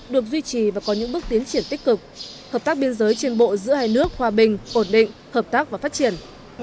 được duy trì và có những bước tiến triển tích cực hợp tác biên giới trên bộ giữa hai nước hòa bình ổn định hợp tác và phát triển